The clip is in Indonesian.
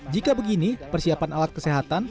jika begini persiapan alat kesehatan